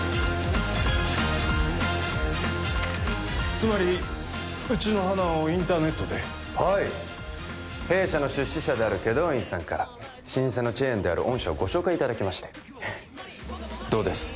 つまりうちの花をインターネットではい弊社の出資者である祁答院さんから老舗のチェーンである御社をご紹介いただきましてどうです？